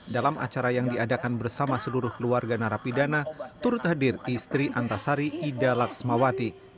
dalam acara yang diadakan bersama seluruh keluarga narapidana turut hadir istri antasari ida laksmawati